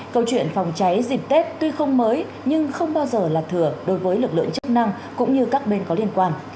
câu chuyện phòng cháy dịp tết tuy không mới nhưng không bao giờ là thừa đối với lực lượng chức năng cũng như các bên có liên quan